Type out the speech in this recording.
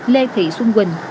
lê thị xuân quỳnh